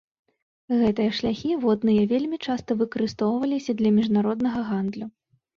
Гэтыя шляхі водныя вельмі часта выкарыстоўваліся для міжнароднага гандлю.